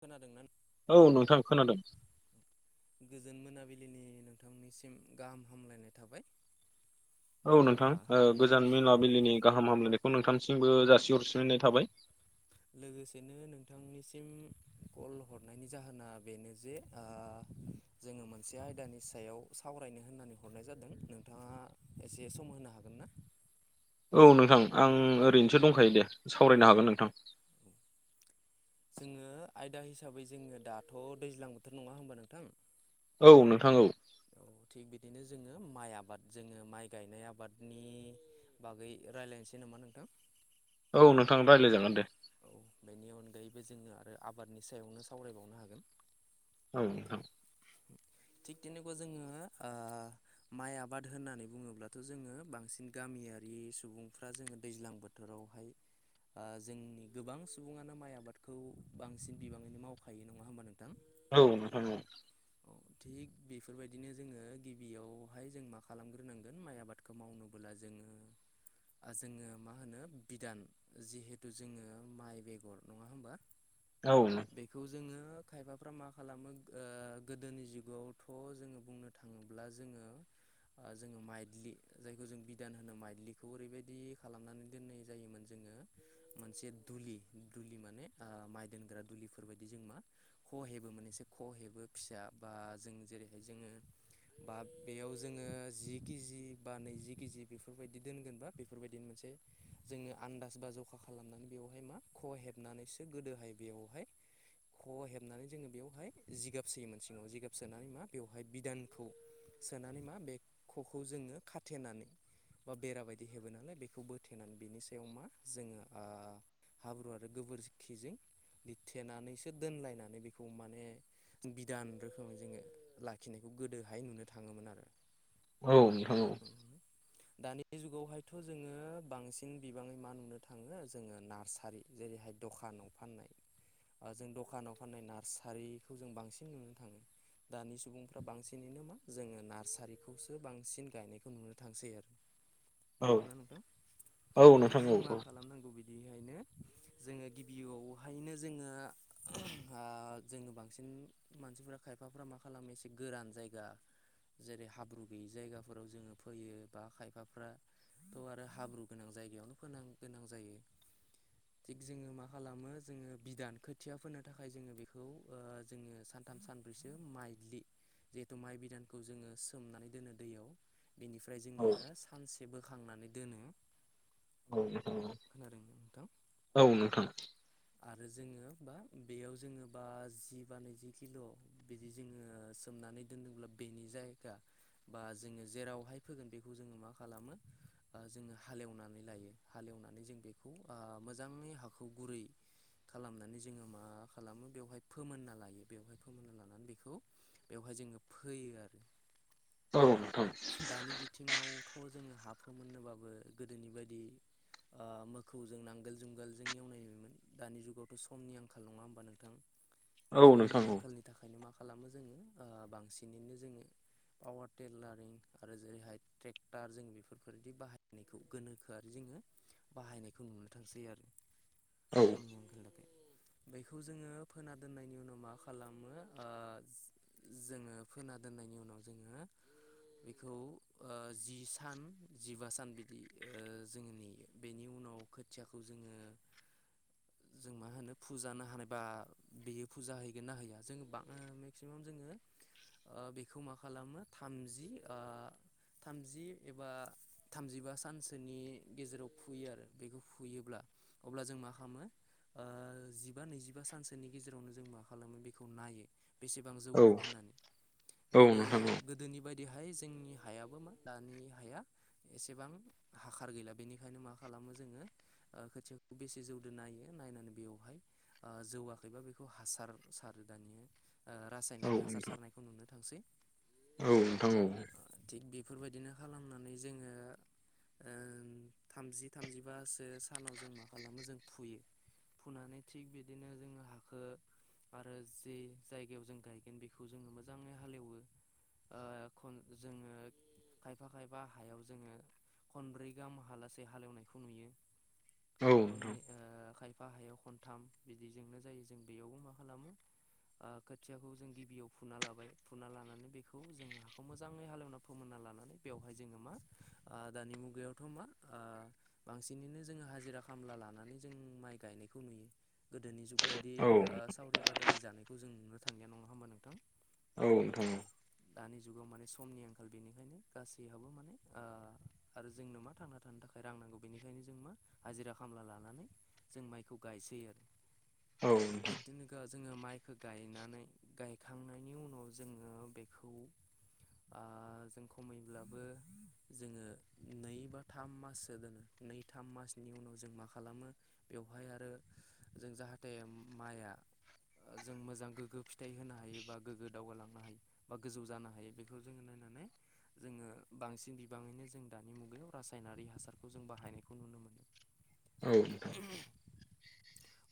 खोनादों ना? औ नोंथां खोनादों। [inaudible] गोजोन मोनाबिलिनि नोंथांनिसिम गाहाम हामलायनाय थाबाय। औ नोंथां ओ गोजान मेलााबिलिनि गाहाम हामलायनायखौ नोंथांसिमबो जासिहरसिननाय थाबाय। लोगोसेनो नोंथांनिसिम कल हरनायनि जाहोना बेनो जे ओ जोङो मोनसे आयदानि सायाव सावरायनो होननानै हरनाय जादों नोंथाङा एसे सम होनो हागोन ना? औ नोंथां आं ओरैनोसो दंखायो दे सावरायनो हागोन नोंथां। [inaudible] जोङो आयदा हिसाबै जोङो दाथ' दैज्लां बोथोर नङा होनोमबा नोंथां? औ नोंथां औ। औ थिग बिदिनो जोङो माइ आबाद जोङो माइ गायनाय आबादनि बागै रायज्लायसै नामा नोंथां औ नोंथां रायज्लायजागोन दे औ बेनि अनगायैबो जोङो आरो आबादनि सायावनो सावरायबावनो हागोन औ औ थिग तेनेबा जोङो माइ आबाद होननानै बुङोब्लाथ' जोङो बांसिन गामियारि सुबुंफ्रा जोङो दैज्लां बोथ बोथोरावहाय आ जोंनि गोबां सुबुङानो माइ आबादखौ बांसिन बिबाङैनो मावखायो नङा होमबा नोंथां? औ नोंथां नोंगौ। औ थिग बेफोरबायदिनो जोङो गिबियावहाय जों मा खालामग्रोनांगोन माइ आबादखौ खौ मावनोबोला जोङो आ जोङो मा होनो बिदान जिहेथु जोङो माइ बेगर नङा होनोमबा औ बेखौ जोङो खायफाफ्रा मा खालामो गोदोनि जुगावथ' जोङो बुंनो थाङोब्ला जोङो जोङो माइदलि जायखौ जों बिदान होनो माइदलिखौ ओरैबायदि खालामनानै दोननाय जायोमोन जोङो मोनसे दुलि दुलि माने ओ माइ दोनग्रा दुलिफोरबायायदि जों मा ख' हेबो मोनै एसे ख' हेबो फिसा बा जों जेरैहाय जोङो बा बेयाव जोङो जि केजि बा नैजि केजि बेफोरबायदि दोनगोनबा बेफोरबायदिनो मोनसे जोङो आन्दाज बा जखा खालामनानै बेवहाय मा ख' हेबनानैसो गोदोहाय बेवहाय ख' हेबनानै जोङो बेवहाय जिगाब सोयोमोन सिङाव जिगाब सोनानै मा बेवहाय बिदानखौ सोनानै मा बे खखौ जोङो खाथेनानै बा बेरा बायदि हेबो नालाय बेखौ बोथेनानै बिनि सायाव सेवमा जोङो ओ हाब्रु आरो गोबोरखिजों लिरथेनानैसो दोनलायनानै बेखौ माने बिदान रोखोमै जोङो लाखिनायखौ गोदोहाय नुनो थाङोमोन आरो दानि जुगावहायथ' जोङो बांसिन बिबाङै मा नुनो थाङो जोङो नार्सारि जेरैहाय दखानाव फाननाय जों दखानाव फाननाय नार्सारिखौ जों बांसिन नुनो थाङो दानि सुबुंफ्रा बांसिनैनो मा जोङो नार्सारिखौसो बांसिन गायनायखौ नुनो थांसै आरो नंगौनाा नोंथां थिग जों मा खालामनांगौ बि निखायनो जोङो गिबियावहायनो जोङो ओ जोङो बांसिन मानसिफोरा खायफाफ्रा मा खालामो एसे गोरान जायगा जेरै हाब्रु गैयि जायगाफोराव जोङो फैयो बा खायफाफ्राथ' आरो हाब्रु गोनां जायगायावनो फोनां गोनां जायो। थिग जोङो मा खालामो जोङो बिदान खोथिया फोनो थाखाय जोङो बेखौ जोङो सान थाम सानब्रैसो माइ्लि जिहेथु माइ बिदानखौ जोङो सोमनानै दोनो दैयाव बेनिफ्राय जोङो सानसे बोखांनानै दोनो औ औ खोनादोंमोन नोंथां औ नोंथाङा आरो जोङो बा बेयाव जोङो बा जि बा नैजि किल' बिदि जोङो सोमनानै दोनोबब्ला बेनि जायगा बा जोङो जेरावहाय फोगोन बेखौ जोङो मा खालामो जोङो हालेवनानै लायो हालेवनानै जों बेखौ मोजाङै हाखौ गुरै खालामनानै जोङो मा खालामो बेवहाय फोमोनना लायो बेवहाय फोमोनना लानानै बेखौ बेवहाय जोङो फोयो आरो औ औ दानि बिथिङावथ' जोङो हाफोम मोनोननोबाबो गोदोनि बायदि मोखौ जों नांगोल जुंगोल जों एवनाय नुयोमोन दानि जुगावथ' समनि आंखाल नङा होमबा नोंथां समनि आंखालनि बिनि थाखायनो मा खालामो जोङो बांसिनैनो जोङो पावार टिलार लार जै ब गोोआ जोो [unintelligible] बाहायनायखौ नुनो थांसै आरो औ बेखौ जोङो फोना दोननायनि उनाव मा खालामो ओ जोङो फोना दोननायनि उनाव जोङो बेखौ ओ जि सान जिबा सान बिदि ओ जोङो नेयो बेनि उनाव खोथियाखौ जोङो जों मा होनो फुजाानो हानायबा बेयो फुजा हैगोन ना होया जों मेक्सिमाम जोङो बेखौ मा खालामो थामजि थामजि एबा थामजिबा सानसोनि गेजेराव फुयो आरो बेखौ फुयोब्ला अब्ला जों मा खालामो ओ जिबा नैजिबा सानसोनि गेजेरावनो जों मा खालामो बेखौ नायो। बेसेबां जौगोन होननानै गोदो गोदोनि बायदिहाय जोंनि हायाबो मा दानि हाया एसेबां हाखार गैला बेनिखायनो मा खालामो जोङो ओ खोथियाखौ बेसे जौदो नायो नायनानै बेवहाय आ जौवाखैबा बेखौ हासार सार दानिया आ रासायनारि हासार सारनायखौ नुनो थांसै औ नोंथां औ आ थिग बेफोरबायदिनो खालामनानै जोङो आ थामजि थामजिबासो सानाव जों मा खालामो जों फुयो। फुनानै थिग बिदिनो जोङो हाखो आरो जे जायगायाव जों गायगोन बेखौ जोङो मोजाङै हालेवो आ खन जोङो खायफा खायफा हायाव जोङो खनब्रै गाहाम हालासेै हालेवनायखौ नुयो। खननै आ खायफा हायाव खनथाम बिदिजोंनो जायो। जों बेयावबो मा खालामो आ खोथियाखौ जों गिबियाव फुना लाबाय फुना लानानै बेखौ खौ जोङो हाखौ मोजाङै हालेवना फोमोनना लानानै बेवहाय जोङो मा दानि मुगायावथ' मा आ बांसिनैनो जोङो हाजिरा खामला लानानै जों माइ गायनायखौ नुयो। गोदोनि जुग बायदि सावरि बादालि जानायखौ जों नुनो थांनाया नङा होमबा नोंथां औ नोंथां दानि जुगाव माने समनि आंखाल बेनिखायनो गासैहाबो माने आरो जोंनो मा थांना थानो थाखाय रां नांगौ बेनिखायनो जों मा हाजिरा खामला लानानै जों माइखौ गायसैयो आरो। थगदिख जोङो माइखौ गायनानै गायखांनायनि उनाव जोङो बे खौ जों खमैब्लाबो जोङो नै बा थाम माससो दोनो नैथाम मासनि उनाव जों मा खालामो बेवहाय आरो जों जाहाथे माइआ जों मोजां गोग्गो फिथाइ होनो हायो बा गोग्गो दावगालांनो हायो। बा गोजौ जानो हायो बेखौ जोङो नायनानै जोङो बांसिन बिबाङैनो जों दानि मुगायाव रासायनारि हासारखौ जों बाहायनायखौ नुनो मोनो। ए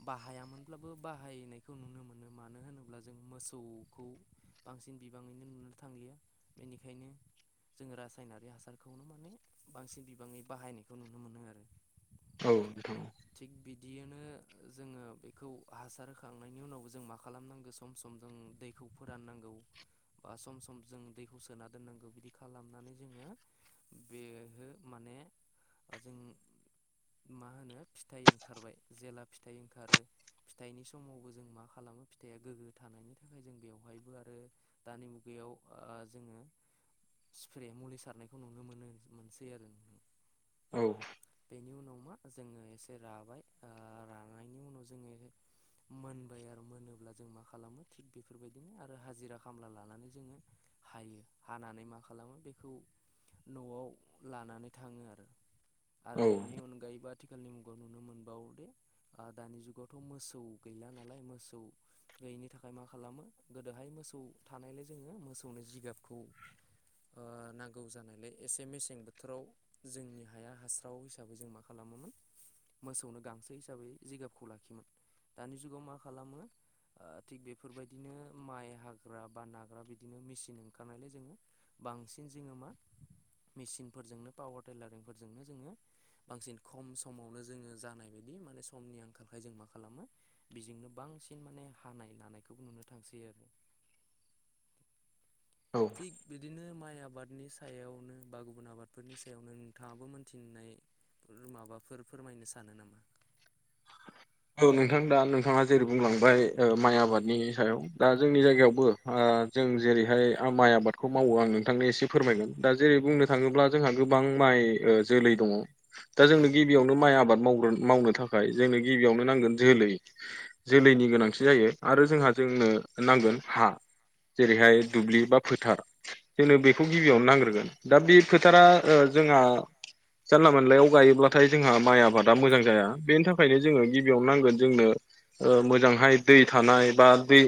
बाहायामोनब्लाबो बाहायनायखौ नुनो मोनो मानो होनोब्ला जों मोसौखौ बांसिन बिबाङैनो नुनो थांलिया बेनिखायनो जोङो रासायनारि हासारखौनो माने बांसिन बिबाङै बाहायनायखौ नुनो मोनो आरो। औ नोंथां औ। थिग बिदियैनो जोङो बेखौ हासार होखांनायनि उनावबो जों मा खालामनांगो? सम सम जों दैखौ फोराननांगौ। बा सम सम जों दैखौ सोना दोननांगौ बिदि खालामनानै जोङो बेहो माने जों मा होनो फिथाइ ओंखारबाय जेला फिथाइ ओंखारो फिथाइनि समावबो जों मा खालामो फिथाइया गोग्गो थानायनि थाखाय जों बेवहायबो आरो दानि मुगायाव जोङो स्प्रे मुलि सारनायखौ नुनो मोनो मोनसै आरो। औ बेनि उनाव मा जोङो एसे राबाय रानायनि उनाव जोङो ए मोनबाय आरो मोनोब्ला जों मा खालामो थिग बेफोरबायदिनो आरो हाजिरा खामला लानानै जोङो हायो हानानै मा खालामो बेखौ न'आव लानानै थाङो आरो आरो बेनि अनगायैबो आथिखालनि मुगायाव नुनो मोनबावोदे दानि जुगावथ' मोसौ गैला नालाय मोसौ गैयिनि थाखाय मा खालामो गोदोहाय मोसौ थानायलाय जोङो मोसौनि जिगाबखौ ओ नांगौ जानायलाय एसे मेसें बोथोराव जोंनि हाया हास्राव हिसाबै जों मा खालामोमोन मोसौनो गांसो हिसाबै जिगाबखौ लाखियोमोन। दानि जुगाव मा खालामो थिग बेफोरबायदिनो माइ हाग ग्रा बा नाग्रा बिदिनो मेसिन ओंखारनायलाय जोङो बांसिन जोङो मा मेसिनफोरजोंनो पावार टेलारिंफोरजोंनो जोङो बांसिन खम समावनो जोङो जानाय बायदि माने समनि आंखालखाय जों मा खालामो बेजोंनो बांसिन माने हानाय नानायखौबो नुनो थांसै आरो। थिग बिदिनो माइ आबादनि सायावनो बा गुबुन आबादफोरनि सायावनो नोंथाङाबो मोनथिनाय माबाफोर फोरमायनो सानो नामा? औ नोंथां दा नोंथाङा जेरै बुंलांबाय माइ आबादनि सायाव दा जोंनि जायगायावबो ओ जों जेरैहाय माइ आबादखौ मावो आं नोंथांनो एसे फोरमायगोन दा जेरै बुंनो थाङोब्ला जोंहा गोबां माइ जोलै दङ दा जोंनो गिबियावनो नो माइ आबाद मावगोन मावनो थाखाय जोंनो गिबियावनो नांगोन जोलै जोलैनि गोनांथि जायो। आरो जोंहा जोंनो नांगोन हा जेरैहाय दुब्लि बा फोथार जोंनो बेखौ गिबियावनो नांग्रोगोन दा बे फोथारा जोंहा जानला मोनलायाव गायोब्लाथाय जोंहा माइ आबादा मोजां जाया बेनि थाखायनो गिबियावनो नांगोन जोंनो मोजांहाय दै थानाय बा दै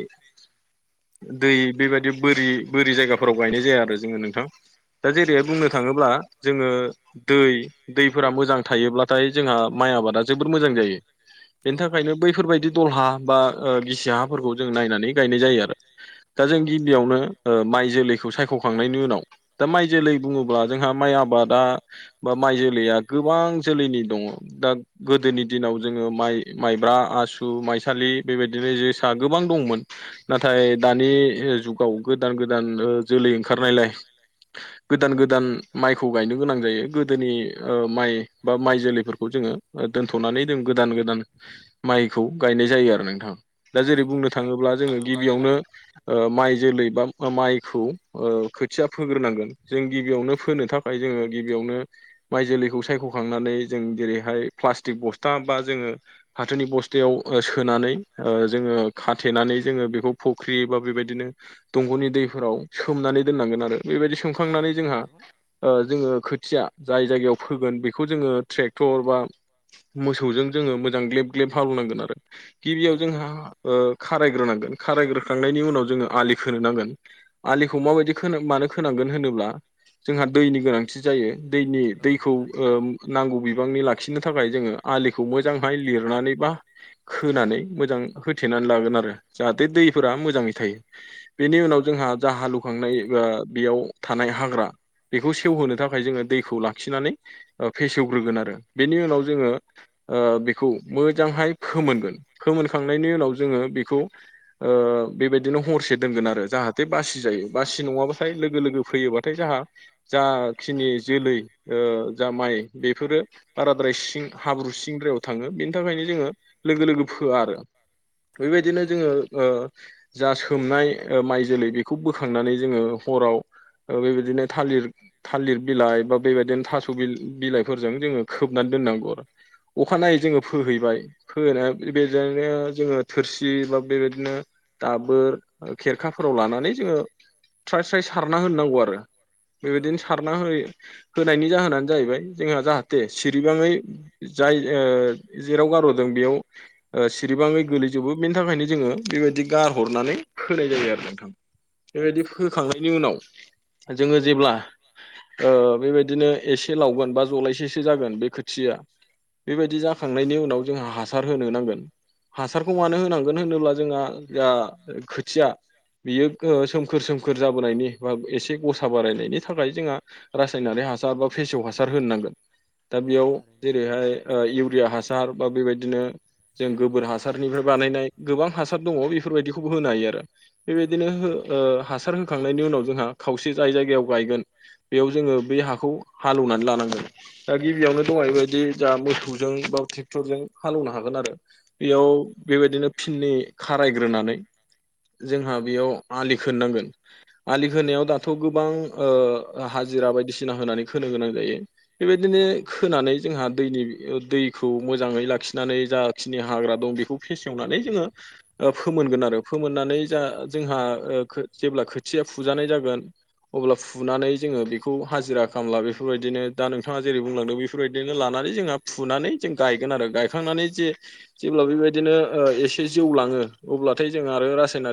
दै बेबायदि बोरि बोरि जायगाफोराव गायनाय जाया आरो जोङो नोंथां। दा जेरैहाय बुंनो थाङोब्ला जोङो दै दैफोरा मोजां थायोब्लाथाय जोंहा माइ आबादा जोबोद मोजां जायो। बेनि थाखायनो बैफोरबायदि दलहा बा गिसि हाफोरखौ जों नायनानै गायनाय जायो आरो। दा जों गिबियावनो ओ माइ जोलैखौ सायख'खांनायनि उनाव दा माइ जोलै बुङोब्ला जोंहा माइ आबादा बा माइ जोलैया गोबां जोलैनि दङ दा गोदोनि दिनाव जोङो माइ माइब्रा आसु माइसालि बेबायदिनो जोसा गोबां दंमोन। नाथाय दानि जुगाव गोदान गोदान जोलै ओंखारनायलाय गोदान गोदान माइखौ गायनो गोनां जायो गोदोनि माइ बा माइ जोलैफोरखौ जोङो दोनथ'नानै गोदान गोदान माइखौ गायनाय जायो आरो नोंथां। दा जेरै बुंनो थाङोब्ला जोङो गिबियावनो ओ माइ जोलै बा ओ माइखौ खोथिया फोग्रोनांगोन जों गिबियावनो फोनो थाखाय जोङो गिबियावनो माइ जोलैखौ सायख'खांनानै जों जेरैहाय प्लास्टिक बुस्थु बा जोङो फाथोनि बस्थायाव सोनानै जोङो खाथेनानै जोङो बेखौ फख्रि बा बेबायदिनो दंग'नि दैफोराव सोमनानै दोननांगोन आरो बेबायदि सोमखांनानै जोंहा ओ जोङो खोथिया जाय जायगायाव फोगोन बेखौ जोङो ट्रेक्टर बा मोसौजों जोङो मोजां ग्लेब ग्लेब हालेवनांगोन आरो गिबियाव जोंहा ओ खारायग्रोनांगोन खारायग्रोखांनायनि उनाव जोङो आलि खोनो नांगोन। आलिखौ माबायदि मानो खोनांगोन होनोब्ला जोंहा दैनि गोनांथि जायो दैनि दैखौ ओ नांगौ बिबांनि लाखिनो थाखाय जोङो आलिखौ मोजांहाय लिरनानैबा खोनानै मोजां होथेनानै लागोन आरो जाहाथे दैफोरा मोजाङै थायो। बेनि उनाव जोंहा जा हालु- खांनाय बा बेयाव थानाय हाग्रा बेखौ सेवहोनो थाखाय जोङो दैखौ लाखिनानै अ फेसेवग्रोगोन आरो बेनि उनाव जोङो ओ बेखौ मोजांहाय फोमोनगोन फोमोनखांनायनि उनाव जोङो बेखौ ओ बेबायदिनो हरसे दोनगोन आरो जाहाथे बे बासि जायो बासि नङाबाथाय लोगो-लोगो फैयोबाथाय जाहा जाखिनि जोलै ओ जा माइ बेफोरो बाराद्राय सिं हाब्रु सिं- सिंद्रायाव थाङो बेनि थाखायनो जोङो लोगो-लोगो फोआ आरो बेबायदिनो जोङो ओ जा सोमनाय माइ जोलै बेखौ बोखांनानै जोङो हराव ओ बेबायदिनो थालिर थालिर बिलाइ बा बेबायदिनो थास' बिल बिलाइफोरजों जोङो खोबनानै दोननांगौ आरो अखानायै जोङो फोहैबाय फीना बेजोंनो जोङो थोरसि बा बेबायदिनो दाबोर खेरखाफोराव लानानै जोङो स्राय-स्राय सारना होननांगौ आरो बेबायदिनो सारना होय होनायनि जाहोनानो जाहैबाय जोंहा जाहाथे सिरिबाङै जाय ओ जेराव गारह'रदों बेयाव ओ सिरिबाङै गोलैजोबो बेनि थाखायनो जोङो बेबायदि गारहरनानै होनाय जायो आरो नोंथां बेबायदि होखांनायनि उनाव जोङो जेब्ला ओ बेबायदिनो एसे लावगोन बा ज'लायसेसो जागोन बे खोथिया बेबायदि जाखांनायनि उनाव जोंहा हासार होनो नांगोन हासारखौ मानो होनांगोन होनोब्ला जोंहा जा खोथिया बियो सोमखोर-सोमखोर जाबोनायनि बा एसे ग'सा बारायनायनि थाखाय जोंहा रासायनारि हासार बा फेसेव हासार होननांगोन दा बेयाव ओ ओ इउरिया हासार बा बेबायदिनो जों गोबोर हासारनिफ्राय बानायनाय गोबां हासार दङ बेफोरबायदिखौबो होनो हायो आरो बेबायदिनो हो ओ हासार होखांनायनि उनाव जोंहा खावसे जाय जायगायाव गायगोन बेयाव जोङो बे हाखौ हालौनानै लानांगोन दा गिबियावनो दहायनि बेबायदि जा मोसौजों बा टेक्टरजों हालौनो हागोन आरो बेयाव बेबायदिनो फिनै खारायग्रोनानै जोंहा बेयाव आलि खोननांगोन आलि खोनायाव दाथ' गोबां ओ ओ हाजिरा बायदिसिना होनानै खोनो गोनां जायो बेबायदिनो खोनानै जोंहा दैनि दैखौ मोजाङै लाखिनानै जाखिनि हाग्रा दं बेखौ फेसेवनानै जोंओ ओफोमोनगोन आरो फोमोननानै जा जोंहा ओ खो जेब्ला खोथिया फुजानाय जागोन अब्ला फुनानै जोङो बेखौ हाजिरा खामला बे बेफोरबायदिनो दा नोंथाङा जेरै बुंलांदों बेफोरबायदिनो लानानै जोंहा फुनानै जों गायगोन आरो गायखांनानै जे जेब्ला बेबायदिनो ओ एसे जौलाङो अब्लाथाय जों आरो रासायनारि